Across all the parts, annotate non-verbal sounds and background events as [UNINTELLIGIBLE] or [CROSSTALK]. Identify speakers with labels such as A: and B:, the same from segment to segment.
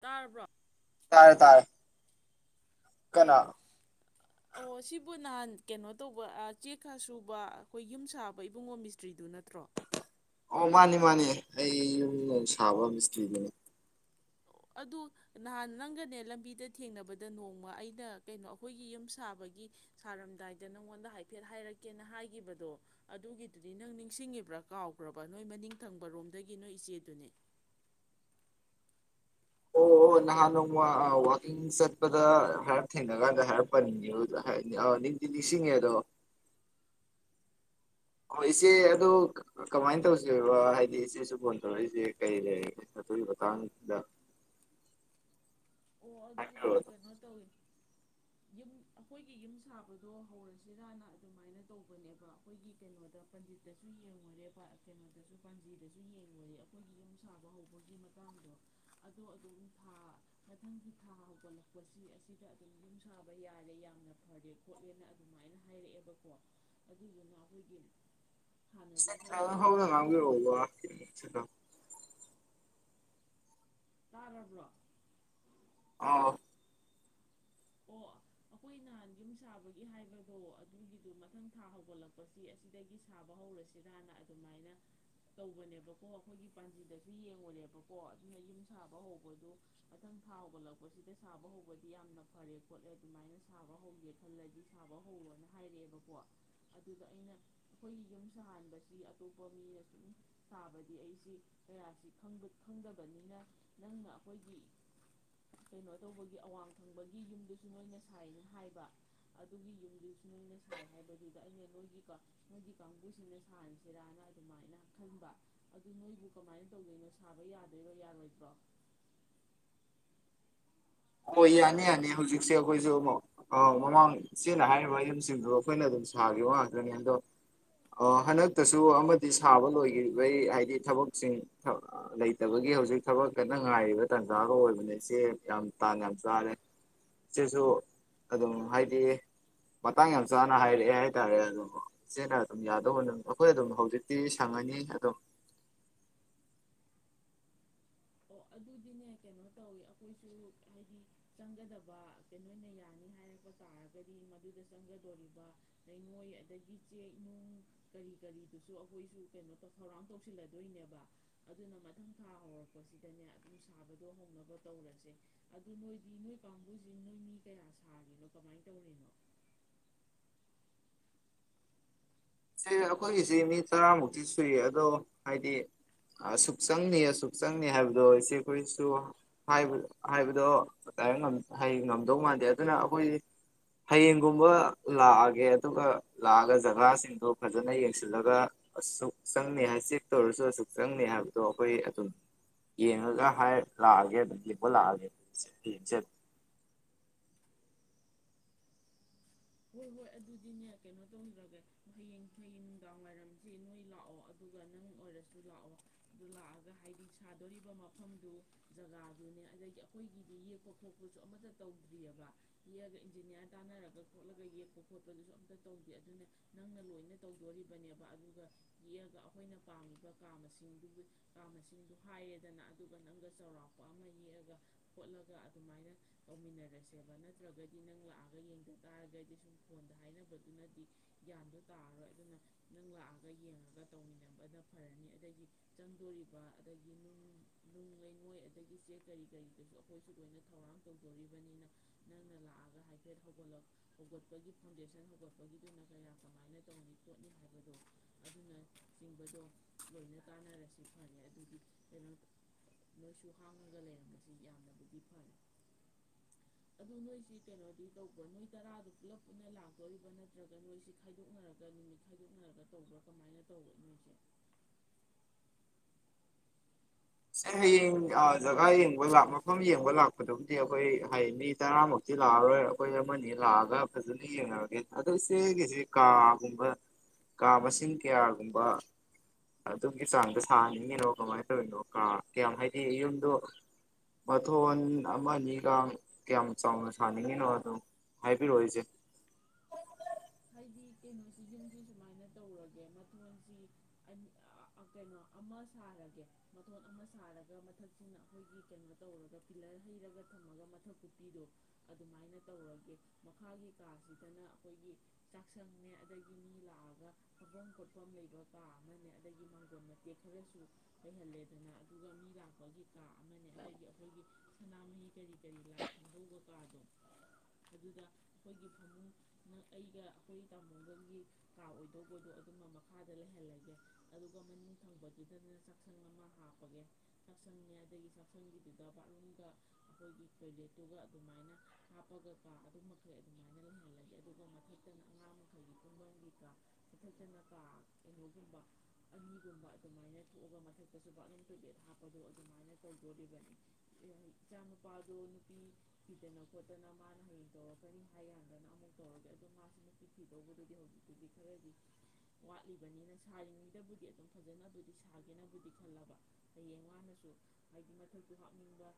A: ꯇꯥꯔꯕ꯭ꯔꯣ꯫
B: ꯇꯥꯔꯦ ꯇꯥꯔꯦ꯫ ꯀꯅꯥ
A: ꯑꯣ ꯑꯣ ꯁꯤꯕꯨ ꯅꯍꯥꯟ ꯀꯩꯅꯣ ꯇꯧꯕ ꯆꯦꯛ ꯀꯥ ꯁꯨꯕ ꯑꯩꯈꯣꯏ ꯌꯨꯝ ꯁꯥꯕ ꯏꯕꯨꯡꯉꯣ ꯃꯤꯁꯇ꯭ꯔꯤꯗꯨ ꯅꯠꯇ꯭ꯔꯣ
B: ꯑꯣ ꯃꯥꯅꯤ ꯃꯥꯅꯤ ꯑꯩ ꯌꯨꯝ ꯁꯥꯕ ꯃꯤꯁꯇ꯭ꯔꯤꯗꯨꯅꯤ
A: ꯑꯗꯨ ꯅꯍꯥꯟ ꯅꯪꯒꯅꯦ ꯂꯝꯕꯤꯗ ꯊꯦꯡꯅꯕꯗ ꯅꯣꯡꯃ ꯑꯩꯅ ꯀꯩꯅꯣ ꯑꯩꯈꯣꯏꯒꯤ ꯌꯨꯝ ꯁꯥꯕꯒꯤ ꯁꯥꯔꯝꯗꯥꯏꯗ ꯅꯪꯉꯣꯟꯗ ꯍꯥꯏꯐꯦꯠ ꯍꯥꯏꯔꯛꯀꯦꯅ ꯍꯥꯏꯈꯤꯕꯗꯣ ꯑꯗꯨꯒꯤꯗꯨꯗꯤ ꯅꯪ ꯅꯤꯡꯁꯤꯡꯉꯤꯕ꯭ꯔꯥ ꯀꯥꯎꯈ꯭ꯔꯕ ꯅꯣꯏ ꯃꯅꯤꯡ ꯊꯪꯕꯔꯣꯝꯗꯒꯤ ꯅꯣꯏ ꯏꯆꯦꯗꯨꯅꯦ
B: ꯑꯣ ꯑꯣ ꯅꯍꯥꯟ ꯅꯣꯡꯃ ꯋꯥꯛꯀꯤꯡ ꯆꯠꯄꯗ ꯍꯥꯏꯔꯞ ꯊꯦꯡꯅ ꯀꯥꯟꯗ ꯍꯥꯏꯔꯞ ꯍꯥꯏꯔꯛꯄ ꯅꯦꯅꯦꯗꯨꯔ ꯅꯤꯡꯗꯤ ꯅꯤꯡꯁꯤꯡꯉꯦ ꯑꯗꯣ ꯍꯣꯏ ꯏꯆꯦ ꯑꯗꯨ ꯀꯃꯥꯏꯅ ꯇꯧꯁꯦꯕ ꯍꯥꯏꯗꯤ ꯏꯆꯦꯁꯨ ꯐꯣꯟ ꯇꯧꯔꯛꯏꯁꯦ ꯀꯩ ꯂꯩꯔꯒꯦ ꯑꯗꯨꯒꯤ ꯃꯇꯥꯡꯗ
A: ꯑꯣ ꯑꯗꯨ ꯑꯗꯨ ꯔꯣ
B: ꯍꯥꯏꯕꯤꯔꯛꯑꯣ
A: ꯀꯩꯅꯣ ꯇꯧꯋꯤ ꯌꯨꯝ ꯑꯩꯈꯣꯏꯒꯤ ꯌꯨꯝ ꯁꯥꯕꯗꯣ ꯍꯧꯔꯁꯤꯔꯅ ꯑꯗꯨꯃꯥꯏꯅ ꯇꯧꯕꯅꯦꯕ ꯑꯩꯈꯣꯏꯒꯤ ꯀꯩꯅꯣꯗ ꯄꯟꯗꯤꯠꯇꯁꯨ ꯌꯦꯡꯉꯨꯔꯦꯕ ꯑ ꯀꯩꯅꯣꯗꯁꯨ ꯄꯥꯟꯖꯤꯗꯁꯨ ꯌꯦꯡꯉꯨꯔꯦꯕ ꯑꯩꯈꯣꯏꯒꯤ ꯌꯨꯝ ꯁꯥꯕ ꯍꯧꯕꯒꯤ ꯃꯇꯥꯡꯗꯣ ꯑꯗꯣ ꯑꯗꯨꯝ ꯊꯥ ꯃꯊꯪꯒꯤ ꯊꯥ ꯍꯧꯒꯠꯂꯛꯄꯁꯤ ꯑꯁꯤꯗ ꯑꯗꯨꯝ ꯌꯨꯝ ꯁꯥꯕ ꯌꯥꯔꯦ ꯌꯥꯝꯅ ꯐꯔꯦ ꯈꯣꯠꯂꯦꯅ ꯑꯗꯨꯃꯥꯏꯅ ꯍꯥꯏꯔꯛꯑꯦꯕꯀꯣ ꯑꯗꯨꯗꯨꯅ ꯑꯩꯈꯣꯏꯒꯤ ꯍꯥꯟꯅꯗꯤ ꯑꯩꯈꯣꯏꯒꯤ
B: ꯈꯤꯇꯪ ꯍꯧꯅ
A: ꯄꯩꯁꯥ ꯅꯨꯡꯁꯥ
B: ꯉꯥꯡꯕꯤꯔꯛꯎꯕ
A: ꯇꯥꯔꯕ꯭ꯔꯣ
B: ꯑꯧ
A: ꯑꯣ ꯑꯩꯈꯣꯏ ꯅꯍꯥꯟ ꯌꯨꯝ ꯁꯥꯕꯒꯤ ꯍꯥꯏꯕꯗꯣ ꯑꯗꯨꯒꯤꯗꯨꯣ ꯃꯊꯪ ꯊꯥ ꯍꯧꯒꯠꯂꯛꯄꯁꯤ ꯑꯁꯤꯗꯒꯤ ꯁꯥꯕ ꯍꯧꯔꯁꯤꯔꯅ ꯑꯗꯨꯃꯥꯏꯅ ꯇꯧꯕꯅꯦꯕꯀꯣ ꯑꯩꯈꯣꯏꯒꯤ ꯄꯥꯟꯖꯤꯗꯁꯨ ꯌꯦꯡꯂꯡꯉꯨꯔꯦꯕꯀꯣ ꯑꯗꯨꯅ ꯌꯨꯝ ꯁꯥꯕ ꯍꯧꯕꯗꯣ ꯃꯊꯪ ꯊꯥ ꯍꯧꯒꯠꯂꯛꯄꯁꯤꯗ ꯁꯥꯕ ꯍꯧꯕꯗꯤ ꯌꯥꯝꯅ ꯐꯔꯦ ꯈꯣꯠꯂꯦ ꯑꯗꯨꯃꯥꯏꯅ ꯁꯥꯕ ꯍꯧꯒꯦ ꯈꯜꯂꯗꯤ ꯁꯥꯕ ꯍꯧꯔꯣꯅ ꯍꯥꯏꯔꯛꯑꯦꯕꯀꯣ ꯑꯗꯨꯗ ꯑꯩꯅ ꯑꯩꯈꯣꯏꯒꯤ ꯌꯨꯝ ꯁꯥꯍꯟꯕꯁꯤ ꯑꯇꯣꯞꯄ ꯃꯤꯅ ꯁꯨꯝ ꯁꯥꯕꯗꯤ ꯑꯩꯁꯤ ꯀꯌꯥꯁꯤ ꯈꯪꯗꯕꯅꯤꯅ ꯅꯪꯅ ꯑꯩꯈꯣꯏꯒꯤ ꯀꯩꯅꯣ ꯇꯧꯕꯒꯤ ꯑꯋꯥꯡꯗ ꯒꯤ ꯌꯨꯝꯗꯨꯁꯨ ꯅꯣꯏꯅ ꯁꯥꯏꯅ ꯍꯥꯏꯕ ꯑꯗꯨꯒꯤ ꯌꯨꯝꯗꯨꯁꯨ ꯅꯣꯏꯅ ꯁꯥꯏ ꯍꯥꯏꯕꯗꯨꯗ ꯑꯩꯅ ꯅꯣꯏꯒꯤ ꯅꯣꯏꯒꯤ ꯀꯥꯡꯕꯨꯁꯤꯡꯅ ꯁꯥꯍꯟꯁꯤꯔꯥꯅ ꯑꯗꯨꯃꯥꯏꯅ ꯈꯟꯕ ꯑꯗꯨ ꯅꯣꯏꯕꯨ ꯀꯃꯥꯏꯅ ꯇꯧꯗꯣꯏꯅꯣ ꯁꯥꯕ ꯌꯥꯗꯣꯏꯔꯣ ꯌꯥꯔꯣꯏꯗ꯭ꯔꯣ
B: ꯍꯣꯏ ꯌꯥꯅꯤ ꯌꯥꯅꯤ ꯍꯧꯖꯤꯛꯁꯦ ꯑꯩꯈꯣꯏꯁꯨ ꯃꯃꯥꯡ ꯏꯆꯦꯅ ꯍꯥꯏꯔꯤꯕ ꯌꯨꯝꯁꯤꯡꯗꯣ ꯑꯩꯈꯣꯏꯅ ꯑꯗꯨꯝ ꯁꯥꯈꯤꯕ ꯉꯥꯛꯇꯅꯤ ꯑꯗꯣ ꯍꯟꯗꯛꯇꯁꯨ ꯑꯃꯗꯤ ꯁꯥꯕ ꯂꯣꯏꯈꯤꯕꯩ ꯍꯥꯏꯗꯤ ꯊꯕꯛꯁꯤꯡ ꯂꯩꯇꯕꯒꯤ ꯍꯧꯖꯤꯛ ꯊꯕꯛ ꯀꯟꯅ ꯉꯥꯏꯔꯤꯕ ꯇꯥꯟꯖꯥꯒ ꯑꯣꯏꯕꯅꯦ ꯏꯆꯦ ꯌꯥꯝ ꯇꯥꯟ ꯌꯥꯝ ꯆꯥꯔꯦ ꯏꯆꯦꯁꯨ ꯑꯗꯨꯝ ꯍꯥꯏꯗꯤ ꯃꯇꯥꯡ ꯌꯥꯝ ꯆꯥꯅ ꯍꯥꯏꯔꯛꯑꯦ ꯍꯥꯏꯇꯥꯔꯦ ꯑꯗꯣ ꯏꯆꯦꯅ ꯑꯗꯨꯝ ꯌꯥꯗꯧꯕ ꯑꯗꯨꯝ ꯑꯩꯈꯣꯏ ꯑꯗꯨꯝ ꯍꯧꯖꯤꯛꯇꯤ ꯁꯪꯉꯅꯤ ꯑꯗꯨꯝ
A: ꯑꯣ ꯑꯗꯨꯗꯤꯅꯦ ꯀꯩꯅꯣ ꯇꯧꯏ ꯑꯩꯈꯣꯏꯁꯨ ꯍꯥꯏꯗꯤ ꯆꯪꯒꯗꯕꯈꯩ ꯅꯣꯏꯅ ꯌꯥꯅꯤ ꯍꯥꯏꯔꯛꯄ ꯇꯥꯔꯒꯗꯤ ꯃꯗꯨꯗ ꯆꯪꯒꯗꯧꯔꯤꯕ ꯂꯩꯉꯣꯏ ꯑꯗꯒꯤ ꯆꯦꯛ ꯅꯨꯡ ꯀꯔꯤ ꯀꯔꯤꯗꯨꯁꯨ ꯑꯩꯈꯣꯏꯁꯨ ꯀꯩꯅꯣ ꯊꯧꯔꯥꯡ ꯇꯧꯁꯤꯜꯂꯗꯣꯏꯅꯦꯕ ꯑꯗꯨꯅ ꯃꯊꯪ ꯊꯥ ꯍꯧꯔꯛꯄ ꯁꯤꯗꯅꯦ ꯑꯗꯨ ꯁꯥꯕꯗꯣ ꯍꯧꯅꯕ ꯇꯧꯔꯁꯦ ꯑꯗꯨ ꯅꯣꯏꯗꯤ ꯅꯣꯏ ꯀꯥꯡꯕꯨꯁꯤ ꯅꯣꯏ ꯃꯤ ꯀꯌꯥ ꯁꯥꯔꯤꯅꯣ ꯀꯃꯥꯏꯅ ꯇꯧꯔꯤꯅꯣ
B: ꯏꯆꯦ ꯑꯩꯈꯣꯏꯒꯤꯁꯤ ꯃꯤ ꯇꯔꯥꯃꯨꯛꯇꯤ ꯁꯨꯏꯌꯦ ꯑꯗꯣ ꯍꯥꯏꯗꯤ ꯑꯁꯨꯛ ꯆꯪꯅꯤ ꯑꯁꯨꯛ ꯆꯪꯅꯤ ꯍꯥꯏꯕꯗꯣ ꯏꯆꯦ ꯑꯩꯈꯣꯏꯁꯨ ꯍꯥꯏꯕꯗꯣ ꯗꯥꯏꯔꯦꯛ ꯉꯝꯗꯧ ꯃꯥꯟꯗꯦ ꯑꯗꯨꯅ ꯑꯩꯈꯣꯏ ꯍꯌꯦꯡꯒꯨꯝꯕ ꯂꯥꯛꯑꯒꯦ ꯑꯗꯨꯒ ꯂꯥꯛꯑꯒ ꯖꯒꯥꯁꯤꯡ ꯑꯗꯣ ꯐꯖꯅ ꯌꯦꯡꯁꯤꯜꯂꯒ ꯑꯁꯨꯛ ꯆꯪꯅꯤ ꯍꯥꯏ ꯆꯦꯛ ꯇꯧꯔꯁꯨ ꯑꯁꯨꯛ ꯆꯪꯅꯤ ꯍꯥꯏꯕꯗꯣ ꯑꯩꯈꯣꯏ ꯑꯗꯨꯝ ꯌꯦꯡꯉꯒ ꯍꯥꯏ ꯂꯥꯛꯑꯒꯦ ꯑꯗꯨꯝ ꯌꯦꯡꯕ ꯂꯥꯛꯑꯒꯦ ꯌꯦꯡꯖꯕ
A: ꯍꯣꯏ ꯍꯣꯏ ꯑꯗꯨꯗꯤꯅꯦ ꯀꯩꯅꯣ ꯇꯧꯗ꯭ꯔꯒꯦ ꯍꯌꯦꯡ ꯍꯌꯦꯤꯡ ꯅꯨꯡꯗꯥꯡꯋꯥꯏꯔꯝꯁꯤ ꯅꯣꯏ ꯂꯥꯛꯑꯣ ꯑꯗꯨꯒ ꯅꯪ ꯑꯣꯏꯔꯁꯨ ꯂꯥꯛꯑꯣ ꯑꯗꯨ ꯂꯥꯛꯑꯒ ꯍꯥꯏꯗꯤ ꯁꯥꯗꯣꯔꯤꯕ ꯃꯐꯝꯗꯨ ꯖꯒꯥꯗꯨꯅꯦ ꯑꯗꯒꯤ ꯑꯩꯈꯣꯏꯒꯤꯗꯤ ꯌꯦꯛꯄ ꯈꯣꯠꯄꯁꯨ ꯑꯃꯠꯇ ꯇꯧꯗ꯭ꯔꯤꯑꯕ ꯌꯦꯛꯑꯒ ꯏꯟꯖꯤꯅꯤꯌꯥꯔ ꯇꯥꯅꯔꯒ ꯈꯣꯠꯂꯒ ꯌꯦꯛꯄ ꯈꯣꯠꯄꯗꯨꯁꯨ ꯑꯝꯇ ꯇꯧꯗꯦ ꯑꯗꯨꯅ ꯅꯪꯅ ꯂꯣꯏꯅ ꯇꯧꯗꯣꯔꯤꯕꯅꯦꯕ ꯑꯗꯨꯒ ꯌꯦꯛꯑꯒ ꯑꯩꯈꯣꯏꯅ ꯄꯥꯝꯃꯤꯕ ꯀꯥ ꯃꯁꯤꯡꯗꯨꯕꯨ ꯀꯥ ꯃꯁꯤꯡꯗꯨ ꯍꯥꯏꯔꯦꯗꯅ ꯑꯗꯨꯒ ꯅꯪꯒ ꯆꯥꯎꯔꯥꯛꯄ ꯑꯃ ꯌꯦꯛꯑꯒ ꯈꯣꯠꯂꯒ ꯑꯗꯨꯃꯥꯏꯅ ꯇꯧꯃꯤꯟꯅꯔꯁꯦꯕ ꯅꯠꯇ꯭ꯔꯒꯗꯤ ꯅꯪ ꯂꯥꯛꯑꯒ ꯌꯦꯡ ꯇꯥꯔꯒꯗꯤ ꯁꯨꯝ ꯐꯣꯟꯗ ꯍꯥꯏꯅꯕꯗꯨꯅꯗꯤ ꯒ꯭ꯌꯥꯟꯗꯣ ꯇꯥꯔꯔꯣꯏ ꯑꯗꯨꯅ ꯅꯪ ꯂꯥꯛꯑꯒ ꯌꯦꯡꯉꯒ ꯇꯧꯃꯤꯟꯅꯕꯅ ꯐꯔꯅꯤ ꯑꯗꯒꯤ ꯆꯪꯗꯣꯔꯤꯕ ꯑꯗꯒꯤ ꯅꯨꯡ ꯅꯨꯡ ꯂꯩꯉꯣꯏ ꯑꯗꯒꯤ ꯆꯦꯛ ꯀꯔꯤ ꯀꯔꯤꯗꯨꯁꯨ ꯑꯩꯈꯣꯏꯁꯨ ꯂꯣꯏꯅ ꯊꯧꯔꯥꯡ ꯇꯧꯗꯣꯔꯤꯕꯅꯤꯅ ꯅꯪꯅ ꯂꯥꯛꯑꯒ ꯍꯥꯏꯐꯦꯠ ꯍꯧꯒꯠꯂꯒ ꯍꯧꯒꯠꯄꯒꯤ ꯐꯥꯎꯟꯗꯦꯁꯟ ꯍꯧꯒꯠꯄꯒꯤꯗꯨꯅ ꯀꯌꯥ ꯀꯃꯥꯏꯅ ꯇꯧꯅꯤ ꯈꯣꯠꯅꯤ ꯍꯥꯏꯕꯗꯣ ꯑꯗꯨꯅꯆꯤꯡꯕꯗꯣ ꯂꯣꯏꯅ ꯇꯥꯟꯅꯔꯁꯤ ꯐꯔꯦ ꯑꯗꯨꯗꯤ ꯀꯩꯅꯣ ꯅꯣꯏꯁꯨ ꯍꯥꯡꯉꯒ ꯂꯩꯔꯝꯕꯁꯤ ꯌꯥꯝꯅꯕꯨꯗꯤ ꯐꯔꯦ ꯑꯗꯨ ꯅꯣꯏꯁꯤ ꯀꯩꯅꯣꯗꯤ ꯇꯧꯕ꯭ꯔ ꯅꯣꯏ ꯇꯔꯥꯗꯨ ꯄꯨꯂꯞ ꯄꯨꯟꯅ ꯂꯥꯛꯇꯣꯔꯤꯕꯥ ꯅꯠꯇ꯭ꯔꯒ ꯅꯣꯏꯁꯤ ꯈꯥꯏꯗꯣꯛꯅꯔꯒ ꯅꯨꯃꯤꯠ ꯈꯥꯏꯗꯣꯛꯅꯔꯒ ꯇꯧꯕ꯭ꯔꯥ ꯀꯃꯥꯏꯅ ꯇꯧꯕꯅꯣ ꯅꯣꯏꯁꯦ
B: ꯍꯌꯦꯡ ꯖꯒꯥ ꯌꯦꯡꯕ ꯃꯐꯝ ꯌꯦꯡꯕ ꯂꯥꯛꯄꯗꯨꯕꯨꯗꯤ ꯑꯩꯈꯣꯏ ꯍꯥꯏ ꯃꯤ ꯇꯔꯥꯃꯨꯛꯇꯤ ꯂꯥꯛꯑꯔꯣꯏ ꯑꯩꯈꯣꯏ ꯑꯃꯅꯤ ꯂꯥꯛꯑꯒ ꯐꯖꯅ ꯌꯦꯡꯅꯔꯒꯦ ꯑꯗꯣ ꯏꯆꯦꯒꯤꯁꯤ ꯀꯥꯒꯨꯝꯕ ꯀꯥ ꯃꯁꯤꯡ ꯀꯌꯥꯒꯨꯝꯕ ꯑꯗꯨꯒꯤ ꯆꯥꯡꯗ ꯁꯥꯍꯟꯅꯤꯡꯉꯤꯅꯣ ꯀꯃꯥꯏꯅ ꯇꯧꯔꯤꯅꯣ ꯀꯥ ꯀꯌꯥꯝ ꯍꯥꯏꯗꯤ ꯌꯨꯝꯗꯣ ꯃꯊꯣꯟ ꯑꯃ ꯑꯅꯤꯒꯥꯡ ꯀꯌꯥꯝ ꯆꯥꯎꯅ ꯁꯥꯅꯤꯡꯉꯤꯅꯣ ꯑꯗꯨꯣ ꯍꯥꯏꯕꯤꯔꯛꯑꯣ ꯏꯆꯦ
A: ꯍꯥꯏꯗꯤ ꯀꯩꯅꯣꯁꯤ ꯌꯨꯝꯁꯤ ꯁꯨꯃꯥꯏꯅ ꯇꯧꯔꯒꯦ ꯃꯊꯣꯟꯁꯤ ꯀꯩꯅꯣ ꯑꯃ ꯁꯥꯔꯒꯦ ꯃꯊꯣꯟ ꯑꯃ ꯁꯥꯔꯒ ꯃꯊꯛꯁꯤꯅ ꯑꯩꯈꯣꯏꯒꯤ ꯀꯩꯅꯣ ꯇꯧꯔꯒ ꯄꯤꯂꯔ ꯍꯩꯔꯒ ꯊꯝꯃꯒ ꯃꯊꯛ ꯀꯨꯞꯄꯤꯗꯣ ꯑꯗꯨꯃꯥꯏꯅꯥ ꯇꯧꯔꯒꯦ ꯃꯈꯥꯒꯤ ꯀꯥ ꯁꯤꯗꯅ ꯑꯩꯈꯣꯏꯒꯤ ꯆꯥꯛꯁꯪꯅꯦ ꯑꯗꯒꯤ ꯃꯤ ꯂꯥꯛꯑꯒ ꯐꯝꯐꯝ ꯈꯣꯠꯐꯝ ꯂꯩꯕ ꯀꯥ ꯑꯃꯅꯦ ꯑꯗꯒꯤ ꯃꯥꯡꯒꯣꯝ ꯃꯇꯦꯛ ꯈꯔꯁꯨ ꯂꯩꯍꯜꯂꯦꯗꯅ ꯑꯗꯨꯒ ꯃꯤ ꯂꯥꯛꯄꯒꯤ ꯀꯥ ꯑꯃꯅꯦ ꯑꯗꯒꯤ ꯑꯩꯈꯣꯏꯒꯤ ꯁꯅꯥꯃꯍꯤ ꯀꯔꯤ ꯀꯔꯤ ꯂꯥꯏ ꯊꯝꯗꯧꯕ ꯀꯥꯗꯣ ꯑꯗꯨꯗ ꯑꯩꯈꯣꯏꯒꯤ ꯐꯃꯨꯡ ꯑꯩꯒ ꯑꯩꯈꯣꯏꯒꯤ ꯇꯥꯃꯣꯒꯥꯒꯤ ꯀꯥ ꯑꯣꯏꯗꯧꯕꯗꯣ ꯑꯗꯨꯝꯕ ꯃꯈꯥꯗ ꯂꯩꯍꯜꯂꯒꯦ ꯑꯗꯨꯒ ꯃꯅꯤꯡ ꯊꯪꯕꯗꯨꯗꯅ ꯆꯥꯛꯁꯪ ꯑꯃ ꯍꯥꯞꯄꯒ ꯆꯥꯛꯁꯪ ꯑꯗꯒꯤ ꯆꯥꯛꯁꯪꯒꯤꯗꯨ ꯕꯥꯨꯊꯔꯨꯝꯒ ꯑꯩꯈꯣꯏꯒꯤ ꯇꯣꯏꯂꯦꯠꯇꯨꯒ ꯑꯗꯨꯃꯥꯏꯅ ꯍꯥꯞꯄꯒ ꯀꯥ ꯑꯗꯨ ꯃꯈꯩ ꯑꯗꯨꯃꯥꯏꯅ ꯂꯩꯍꯜꯂꯒꯦ ꯑꯗꯨꯒ ꯃꯊꯛ ꯅ ꯑꯉꯥꯡ ꯃꯈꯩꯒꯤ ꯇꯨꯝꯐꯝ ꯀꯥ ꯃꯊꯛꯇꯅ ꯀꯥ ꯀꯩꯅꯣꯒꯨꯝꯕ ꯑꯅꯤꯒꯨꯝꯕ ꯑꯗꯨꯃꯥꯏꯅ ꯊꯣꯛꯑꯒ ꯃꯊꯛꯇꯁꯨ ꯕꯥꯊꯔꯨꯝ ꯇꯣꯏꯂꯦꯠ ꯍꯥꯞꯄꯗꯣ ꯑꯗꯨꯃꯥꯏꯅ ꯇꯧꯗꯣꯔꯤꯕꯅꯤ ꯏꯆꯥ ꯅꯨꯨꯄꯥꯗꯣ ꯅꯨꯄꯤ ꯊꯤꯗꯅ ꯈꯣꯠꯇꯅ ꯃꯥꯅ ꯍꯌꯦꯡ ꯇꯧꯔꯛꯀꯅꯤ ꯍꯥꯏ ꯀꯥꯟꯗꯅ ꯑꯃꯨꯛ ꯇꯧꯔꯒꯦ ꯑꯗꯨ ꯄꯤꯛꯈꯤꯗꯧꯕꯗꯨꯗꯤ ꯍꯧꯖꯤꯛꯇꯨꯗꯤ ꯈꯔꯗꯤ ꯋꯥꯠꯂꯤꯕꯅꯤꯅ ꯁꯥꯔꯤꯉꯩꯗꯕꯨꯗꯤ ꯑꯗꯨꯝ ꯐꯖꯅꯕꯨꯗꯤ ꯁꯥꯒꯦꯅꯕꯨꯗꯤ ꯈꯜꯂꯕ ꯍꯌꯦꯡ ꯃꯥꯅꯁꯨ ꯍꯥꯏꯗꯤ ꯃꯊꯛꯇꯨ ꯍꯥꯞꯅꯤꯡꯕ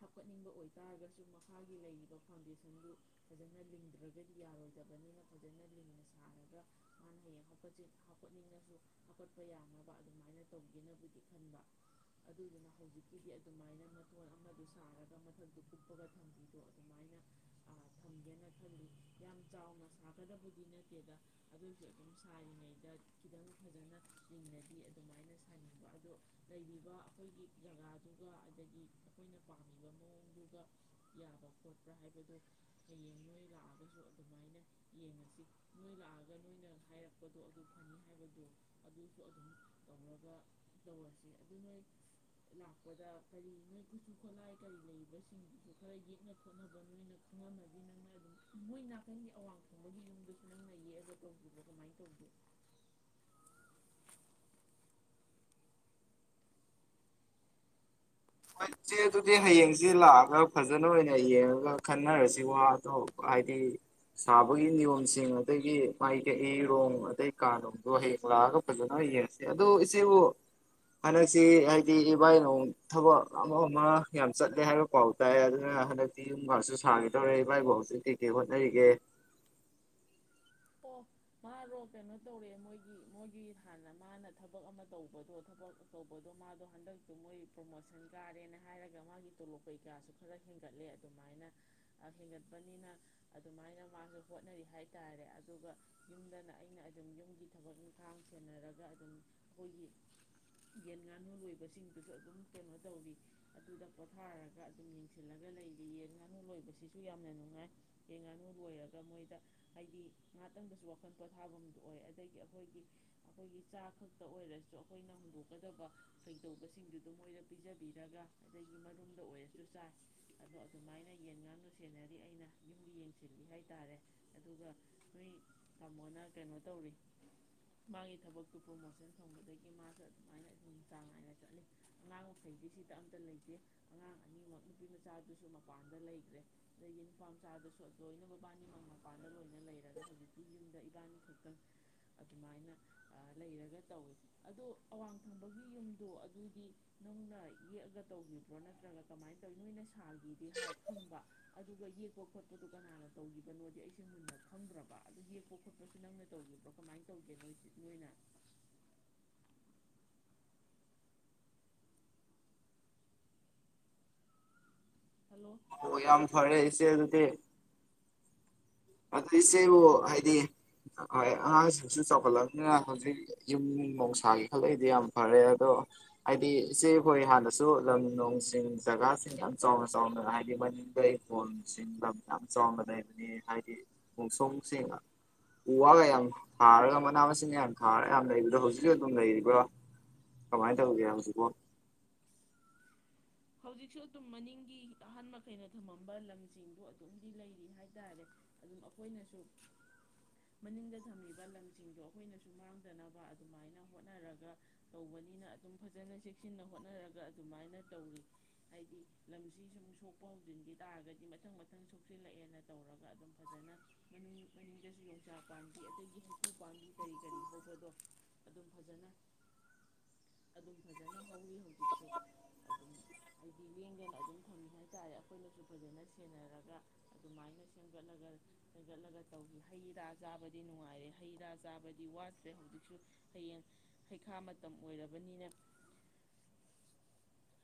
A: ꯍꯥꯞꯀꯠꯅꯤꯡꯕ ꯑꯣꯏꯇꯥꯔꯒꯁꯨ ꯃꯈꯥꯒꯤ ꯂꯩꯔꯤꯕ ꯐꯥꯎꯟꯗꯦꯁꯟꯗꯨ ꯐꯖꯅ ꯂꯤꯡꯗ꯭ꯔꯒꯗꯤ ꯌꯥꯔꯣꯏ ꯐꯖꯕꯅꯤꯅ ꯐꯖꯅ ꯂꯤꯡꯅ ꯁꯥꯔꯒ ꯃꯥꯅ ꯍꯌꯦꯡ ꯀꯥ ꯍꯥꯞꯀꯠꯅꯤꯡꯉꯁꯨ ꯍꯥꯀꯠꯄ ꯌꯥꯅꯕ ꯑꯗꯨꯃꯥꯏꯅ ꯇꯧꯒꯦꯅꯕꯨꯗꯤ ꯈꯟꯕ ꯑꯗꯨꯗꯨꯅ ꯍꯧꯖꯤꯛꯀꯤꯗꯤ ꯑꯗꯨꯃꯥꯏꯅ ꯃꯇꯣꯟ ꯑꯃꯗꯨ ꯁꯥꯔꯒ ꯃꯊꯛꯇ ꯎꯨꯞꯄꯒ ꯊꯝꯕꯤꯗꯣ ꯑꯗꯨꯃꯥꯏꯅ ꯊꯝꯒꯦꯅ ꯈꯜꯂꯤ ꯌꯥꯝ ꯆꯥꯎꯅ ꯁꯥꯒꯗꯕꯗꯤ ꯅꯠꯇꯦꯗ ꯑꯗꯨꯁꯨ ꯑꯗꯨꯝ ꯁꯥꯔꯤꯉꯩꯗ ꯈꯤꯇꯪ ꯐꯖꯅ ꯂꯤꯡꯅꯗꯤ ꯑꯗꯨꯃꯥꯏꯅ ꯁꯥꯅꯤꯡꯕ ꯑꯗꯣ ꯂꯩꯔꯤꯕ ꯑꯩꯈꯣꯏꯒꯤ ꯖꯒꯥꯗꯨꯒ ꯑꯗꯒꯤ ꯑꯩꯈꯣꯏꯅ ꯄꯥꯝꯃꯤꯕ ꯃꯑꯣꯡꯗꯨꯒ ꯌꯥꯕ ꯈꯣꯠꯄ꯭ꯔꯥ ꯍꯥꯏꯕꯗꯣ ꯍꯌꯦꯡ ꯅꯣꯏ ꯂꯥꯛꯑꯒꯁꯨ ꯑꯗꯨꯝ ꯑꯗꯨꯃꯥꯏꯅ ꯌꯦꯡꯉꯁꯤ ꯅꯣꯏ ꯂꯥꯛꯑꯒ ꯅꯣꯏꯅ ꯍꯥꯏꯔꯛꯄꯗꯣ ꯑꯗꯨ ꯐꯅꯤ ꯍꯥꯏꯕꯗꯣ ꯑꯗꯨꯁꯨ ꯑꯗꯨꯝ ꯇꯧꯔꯒ ꯇꯧꯔꯁꯤ ꯑꯗꯨ ꯅꯣꯏ ꯂꯥꯛꯄꯗ ꯀꯔꯤ ꯅꯣꯏ ꯈꯨꯠꯁꯨ ꯈꯨꯠꯂꯥꯏ ꯀꯔꯤ ꯂꯩꯕꯁꯤꯡꯁꯨ ꯈꯔ ꯌꯦꯛꯅ ꯈꯣꯠꯅꯕꯥ ꯅꯣꯏꯅ ꯈꯪꯉꯝꯂꯥꯅꯤ ꯅꯡꯅꯥ ꯑꯗꯨꯝ ꯅꯪꯒꯤ ꯑꯋꯥꯡ ꯊꯡꯕꯒꯤ ꯌꯨꯝꯗꯁꯨ ꯅꯪꯅ ꯌꯦꯛꯑꯒ ꯇꯧꯒꯤꯕ꯭ꯔꯣꯕ ꯀꯃꯥꯏꯅ ꯇꯧꯕꯅꯣ
B: ꯍꯣꯏ ꯏꯆꯦ ꯑꯗꯨꯗꯤ ꯍꯌꯦꯡꯁꯤ ꯂꯥꯛꯑꯒ ꯐꯖꯅ ꯑꯣꯏꯅ ꯌꯦꯡꯉꯒ ꯈꯟꯅꯔꯁꯤ ꯋꯥ ꯑꯗꯣ ꯍꯥꯏꯗꯤ ꯁꯥꯕꯒꯤ ꯅꯤꯌꯣꯝꯁꯤꯡ ꯑꯗꯒꯤ ꯃꯥꯏ ꯀꯛꯏꯔꯣꯡ ꯑꯗꯩ ꯀꯥꯅꯣꯗꯣ ꯍꯌꯦꯡ ꯂꯥꯛꯑꯒ ꯐꯖꯅ ꯌꯦꯡꯉꯁꯤ ꯑꯗꯣ ꯏꯆꯦꯕꯨ ꯍꯟꯗꯛꯁꯤ ꯍꯥꯏꯗꯤ ꯏꯕꯥꯏꯅꯨꯡ ꯊꯕꯛ ꯑꯃ ꯑꯃ ꯌꯥꯝ ꯆꯠꯂꯦ ꯍꯥꯏꯕ ꯄꯥꯎ ꯇꯥꯏ ꯑꯗꯨꯅ ꯍꯟꯗꯛꯇꯤ ꯌꯨꯝꯒꯁꯨ ꯁꯥꯒꯦ ꯇꯧꯔꯦ ꯏꯕꯥꯏꯕꯨ ꯍꯧꯖꯤꯛ ꯀꯩ ꯀꯩ ꯍꯣꯠꯅꯔꯤꯒꯦ
A: ꯑꯣ ꯃꯥꯔꯣ ꯀꯩꯅꯣ ꯇꯧꯔꯦ ꯃꯣꯏꯒꯤ ꯃꯣꯏꯒꯤ ꯍꯥꯟꯅ ꯃꯥꯅ ꯊꯕꯛ ꯑꯃ ꯇꯧꯕꯗꯣ ꯊꯕꯛ ꯇꯧꯕꯗꯣ ꯃꯥꯗꯣ ꯍꯟꯗꯛꯇꯣ ꯃꯣꯏ ꯄ꯭ꯔꯣꯃꯣꯁꯟ ꯀꯥꯔꯦꯅ ꯍꯥꯏꯔꯒ ꯃꯥꯒꯤ ꯇꯣꯂꯣꯞ ꯀꯩꯀꯥꯁꯨ ꯈꯔ ꯍꯦꯟꯒꯠꯂꯦ ꯑꯗꯨꯃꯥꯏꯅ ꯍꯦꯟꯒꯠꯄꯅꯤꯅ ꯑꯗꯨꯃꯥꯏꯅ ꯃꯥꯁꯨ ꯍꯣꯠꯅꯔꯤ ꯍꯥꯏꯇꯥꯔꯦ ꯑꯗꯨꯒ ꯌꯨꯝꯗꯅ ꯑꯩꯅ ꯑꯗꯨꯝ ꯌꯨꯝꯒꯤ ꯊꯕꯛ ꯏꯪꯈꯥꯡ ꯁꯦꯟꯅꯔꯒ ꯑꯗꯨꯝ ꯑꯩꯈꯣꯏꯒꯤ ꯌꯦꯟ ꯉꯥꯅꯨ ꯂꯣꯏꯕꯁꯤꯡꯗꯨꯁꯨ ꯑꯗꯨꯝ ꯀꯩꯅꯣ ꯇꯧꯔꯤ ꯑꯗꯨꯗ ꯄꯣꯊꯥꯔꯒ ꯑꯗꯨꯝ ꯌꯦꯡꯁꯤꯜꯂꯒ ꯂꯩꯔꯤ ꯌꯦꯟ ꯉꯥꯅꯨ ꯂꯣꯏꯕꯁꯤꯁꯨ ꯌꯥꯝꯅ ꯅꯨꯡꯉꯥꯏ ꯌꯦꯟ ꯉꯥꯅꯨ ꯂꯣꯏꯔꯒ ꯃꯣꯏꯗ ꯍꯥꯏꯗꯤ ꯉꯥꯏꯍꯥꯛꯇꯪꯗꯁꯨ ꯋꯥꯈꯜ ꯄꯣꯊꯥꯐꯝꯗꯨ ꯑꯣꯏ ꯑꯗꯒꯤ ꯑꯩꯈꯣꯏꯒꯤ ꯑꯩꯈꯣꯏꯒꯤ ꯆꯥ ꯈꯛꯇ ꯑꯣꯏꯔꯁꯨ ꯑꯩꯈꯣꯏꯅ ꯍꯨꯟꯗꯣꯛꯀꯗꯕ ꯀꯩꯗꯧꯕꯁꯤꯡꯗꯨꯗ ꯃꯣꯏꯗ ꯄꯤꯖꯕꯤꯔꯒ ꯑꯗꯒꯤ ꯃꯔꯨꯝꯗ ꯑꯣꯏꯔꯁꯨ ꯆꯥꯏ ꯑꯗꯣ ꯑꯗꯨꯃꯥꯏꯅ ꯌꯦꯟ ꯉꯥꯅꯨ ꯁꯦꯟꯅꯔꯤ ꯑꯩꯅ ꯌꯨꯝꯒꯤ ꯌꯦꯡꯁꯤꯜꯂꯤ ꯍꯥꯏ ꯇꯔꯦ ꯑꯗꯨꯒ ꯍꯣꯏ ꯇꯥꯃꯣꯅ ꯀꯩꯅꯣ ꯇꯧꯔꯤ ꯃꯥꯒꯤ ꯊꯕꯛꯇꯨ ꯄ꯭ꯔꯣꯃꯣꯁꯟ ꯐꯪꯕꯗꯒꯤ ꯃꯥꯁꯨ ꯑꯗꯨꯃꯥꯏꯅ ꯆꯥꯡ ꯅꯥꯏꯅ ꯆꯠꯂꯤ ꯑꯉꯥꯡ ꯃꯈꯩꯗꯤ ꯁꯤꯗ ꯑꯝꯇ ꯂꯩꯇꯦ ꯑꯉꯥꯡ ꯑꯅꯤꯃꯛ ꯅꯨꯄꯤ ꯃꯆꯥꯗꯨꯁꯨ ꯃꯄꯥꯟꯗ ꯂꯩꯈ꯭ꯔꯦ ꯑꯗꯒꯤ ꯅꯨꯄꯥ ꯃꯆꯥꯗꯨꯁꯨ ꯂꯣꯏꯅ ꯃꯕꯥꯟꯅꯤꯃꯛ ꯃꯄꯥꯟꯗ ꯂꯣꯏꯅ ꯂꯩ ꯍꯧꯖꯤꯛꯇꯤ ꯌꯨꯝꯗ ꯏꯕꯥꯅꯤ ꯈꯛꯇꯪ ꯑꯗꯨꯃꯥꯏꯅ ꯂꯩꯔꯒ ꯇꯧꯋꯤ ꯑꯗꯣ ꯑꯋꯥꯡ ꯊꯪꯕꯒꯤ ꯌꯨꯝꯗꯣ ꯑꯗꯨꯗꯤ ꯅꯪꯅ ꯌꯦꯛꯑꯒ ꯇꯧꯈꯤꯕ꯭ꯔꯣ ꯅꯠꯇ꯭ꯔꯒ ꯀꯃꯥꯏꯅ ꯇꯧꯋꯤ ꯅꯣꯏꯅ ꯁꯥꯒꯤꯗꯤ ꯍꯥꯏ ꯈꯪꯕ ꯑꯗꯨꯒ ꯌꯦꯛꯄ ꯈꯣꯠꯄꯗꯨꯣ ꯀꯅꯥꯅ ꯇꯧꯈꯤꯕꯕꯅꯣꯗꯤ ꯑꯩꯁꯦ ꯃꯨꯟꯅ ꯈꯪꯗ꯭ꯔꯕ ꯑꯗꯨ ꯌꯦꯛꯄ ꯈꯣꯠꯄꯁꯨ ꯅꯪꯅ ꯇꯧꯈꯤꯕ꯭꯭ꯔꯣ ꯀꯃꯥꯏꯅ ꯇꯧꯒꯦ ꯅꯣꯏꯁꯤ ꯅꯣꯏꯅ ꯍꯜꯂꯣ
B: ꯑꯣ ꯌꯥꯝ ꯐꯔꯦ꯫ [UNINTELLIGIBLE] ꯑꯗꯨ ꯏꯆꯦꯕꯨ ꯍꯥꯏꯗꯤ ꯑꯉꯥꯡꯁꯤꯡꯁꯨ ꯆꯥꯎꯈꯠꯂꯅꯤꯅ ꯍꯧꯖꯤꯛ ꯌꯨꯝ ꯅꯨꯡꯁꯥꯒꯦ ꯈꯜꯂꯛꯏꯗꯤ ꯌꯥꯝ ꯐꯔꯦ ꯑꯗꯣ ꯍꯥꯏꯗꯤ ꯏꯆꯦꯈꯣꯏ ꯍꯥꯟꯅꯁꯨ ꯂꯝ ꯅꯨꯡꯁꯤꯡ ꯖꯒꯥꯁꯤꯡ ꯌꯥꯝ ꯆꯥꯎꯅ- ꯆꯥꯎꯅ ꯍꯥꯏꯗꯤ ꯃꯅꯤꯡꯗ ꯍꯤꯡꯈꯣꯜ ꯁꯤꯡ ꯂꯝ ꯌꯥꯝ ꯆꯥꯎꯅ ꯂꯩꯕꯅꯤ ꯍꯥꯏ ꯃꯣꯡꯁꯣꯡꯁꯤꯡ ꯎ ꯋꯥꯒ ꯌꯥꯝ ꯊꯥꯔꯒ ꯃꯅꯥ ꯃꯁꯤꯡꯒ ꯌꯥꯝ ꯊꯥꯔꯒ ꯌꯥꯝ ꯂꯩꯕꯗꯣ ꯍꯧꯖꯤꯛꯁꯨ ꯑꯗꯨꯝ ꯂꯩꯔꯤꯕ꯭ꯔꯥ ꯀꯃꯥꯏꯅ ꯇꯧꯒꯦ ꯍꯧꯖꯤꯛꯄꯣ?
A: ꯍꯧꯖꯤꯛꯁꯨ ꯑꯗꯨꯝ ꯃꯅꯤꯡꯒꯤ ꯑꯍꯟ ꯃꯈꯩꯅ ꯊꯝꯃꯝꯕ ꯂꯝꯁꯤꯡꯗꯣ ꯑꯗꯨꯝꯗꯤ ꯂꯩꯔꯤ ꯍꯥꯏꯇꯥꯔꯦ ꯑꯗꯨꯝ ꯑꯩꯈꯣꯏꯅꯁꯨ ꯃꯅꯤꯡꯗ ꯊꯝꯃꯤꯕ ꯂꯝꯁꯤꯡꯗꯣ ꯑꯩꯈꯣꯏꯅꯁꯨ ꯃꯥꯡꯗꯅꯕ ꯑꯗꯨꯃꯥꯏꯅ ꯍꯣꯠꯅꯔꯒ ꯇꯧꯕꯅꯤꯅ ꯑꯗꯨꯝ ꯐꯖꯅ ꯆꯦꯛꯁꯤꯟꯅ ꯍꯣꯠꯅꯔꯒ ꯑꯗꯨꯃꯥꯏꯅ ꯇꯧꯔꯤ ꯍꯥꯏꯗꯤ ꯂꯝꯁꯤ ꯁꯨꯝ ꯁꯣꯛꯄ ꯍꯧꯖꯤꯟꯈꯤ ꯇꯥꯔꯒꯗꯤ ꯃꯊꯪ ꯃꯊꯪ ꯁꯣꯛꯆꯤꯜꯂꯛꯑꯦꯅ ꯇꯧꯔꯒ ꯑꯗꯨꯝ ꯐꯖꯅ ꯃꯅꯤꯡ ꯃꯅꯤꯡꯗꯁꯨ ꯌꯣꯡꯆꯥꯛ ꯄꯥꯝꯕꯤ ꯑꯗꯒꯤ ꯍꯩꯀꯨ ꯄꯥꯝꯕꯤ ꯀꯔꯤ ꯀꯔꯤ ꯍꯧꯕꯗꯣ ꯑꯗꯨꯝ ꯐꯖꯅ ꯑꯗꯨꯝ ꯐꯖꯅ ꯍꯧꯔꯤ ꯍꯧꯖꯤꯛꯁꯨ ꯑꯗꯨꯝ ꯍꯥꯏꯗꯤ ꯂꯦꯡꯗꯅ ꯑꯗꯨꯝ ꯊꯝꯃꯤ ꯍꯥꯏꯇꯥꯥꯔꯦ ꯑꯩꯈꯣꯏꯅꯁꯨ ꯐꯖꯅ ꯁꯦꯟꯅꯔꯒ ꯑꯗꯨꯃꯥꯏꯅ ꯁꯦꯝꯒꯠꯂꯒ ꯁꯦꯝꯒꯠꯂꯒ ꯇꯧꯏ ꯍꯩ ꯔꯥ ꯆꯥꯕꯗꯤ ꯅꯨꯡꯉꯥꯏꯔꯦ ꯍꯩ ꯔꯥ ꯆꯥꯕꯗꯤ ꯋꯥꯠꯇ꯭ꯔꯦ ꯍꯧꯖꯤꯛꯁꯨ ꯍꯌꯦꯡ ꯍꯩꯈꯥ ꯃꯇꯝ ꯑꯣꯏꯔꯕꯅꯤꯅ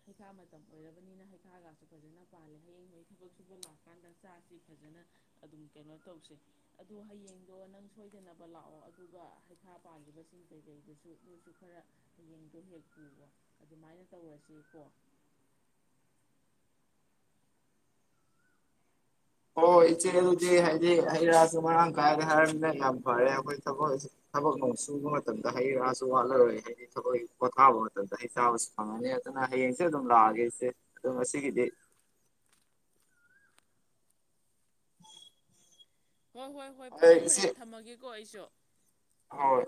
A: ꯍꯩꯈꯥ ꯃꯇꯝ ꯑꯣꯏꯔꯕꯅꯤꯅ ꯍꯩꯈꯥꯒꯁꯨ ꯐꯖꯅ ꯄꯥꯂꯦ ꯍꯌꯦꯡꯈꯩ ꯊꯕꯛ ꯁꯨꯕ ꯂꯥꯛꯀꯥꯟꯗ ꯆꯥꯁꯤ ꯐꯖꯅ ꯑꯗꯨꯝ ꯀꯩꯅꯣ ꯇꯧꯁꯦ ꯑꯗꯣ ꯍꯌꯦꯡꯗꯣ ꯅꯪ ꯁꯣꯏꯗꯅꯕ ꯂꯥꯛꯑꯣ ꯑꯗꯨꯒ ꯍꯩꯈꯥ ꯄꯥꯜꯂꯤꯕꯁꯤꯡ ꯀꯩꯀꯩꯗꯨꯁꯨ ꯅꯣꯏꯁꯨ ꯈꯔ ꯍꯌꯦꯡꯗꯣ ꯍꯦꯛ ꯄꯨꯒꯣ ꯑꯗꯨꯃꯥꯏꯅ ꯇꯧꯔꯁꯤ [UNINTELLIGIBLE]
B: ꯍꯣꯏ - ꯍꯣꯏ ꯏꯆꯦ ꯑꯗꯨꯗꯤ ꯍꯥꯏꯗꯤ ꯍꯩ - ꯔꯥꯗꯨ ꯃꯔꯥꯡ ꯀꯥꯏꯅ ꯍꯥꯏꯔꯕꯅꯤꯅꯥ ꯌꯥꯝ ꯐꯔꯦ ꯑꯩꯈꯣꯏ ꯊꯕꯛ ꯊꯕꯛ ꯅꯣꯡ ꯁꯨꯕ ꯃꯇꯝꯗ ꯍꯩ - ꯔꯥꯁꯨ ꯋꯥꯠꯂꯔꯣꯏ ꯍꯥꯏꯗꯤ ꯊꯕꯛ ꯄꯣꯊꯥꯕ ꯃꯇꯝꯗ ꯍꯩ ꯆꯥꯕꯁꯨ ꯐꯪꯉꯅꯤ ꯑꯗꯨꯅ ꯍꯌꯦꯡꯁꯦ ꯑꯗꯨꯝ ꯂꯥꯛꯑꯒꯦ ꯏꯆꯦ ꯑꯗꯨꯣ ꯉꯁꯤꯒꯤꯗꯤ
A: ꯍꯣꯏ ꯍꯣꯏ ꯍꯣꯏ ꯐꯔꯦ ꯐꯔꯦ ꯊꯝꯃꯒꯦꯀꯣ ꯑꯩꯁꯨ
B: ꯍꯣꯏ